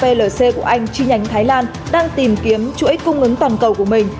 truy dựng astrazeneca plc của anh chi nhánh thái lan đang tìm kiếm chuỗi cung ứng toàn cầu của mình